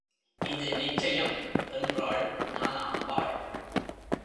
இது நிச்சயம்! என்றாள் ஞானாம்பாள்.